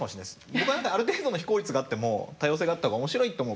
僕はある程度の非効率があっても多様性があった方が面白いと思う。